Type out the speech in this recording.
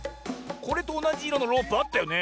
これとおなじいろのロープあったよね。